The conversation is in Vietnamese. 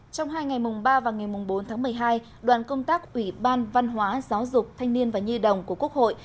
trong hai ngày mùng ba và ngày mùng bốn tháng một mươi hai đoàn công tác ủy ban văn hóa giáo dục thanh niên và nhi đồng của quốc hội